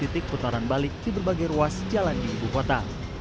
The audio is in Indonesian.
titik putaran balik di berbagai ruas jalan di ibu kota